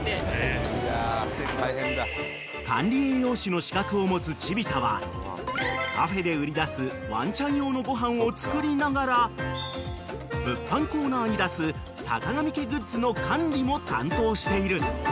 ［の資格を持つチビ太はカフェで売り出すワンちゃん用のご飯を作りながら物販コーナーに出すさかがみ家グッズの管理も担当している］